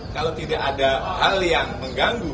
kalau tidak ada hal yang mengganggu